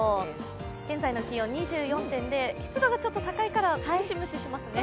現在の気温２４．０、湿度がちょっと高いから、ムシムシしますね。